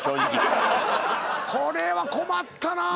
これは困ったな。